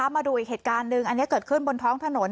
มาดูอีกเหตุการณ์หนึ่งอันนี้เกิดขึ้นบนท้องถนน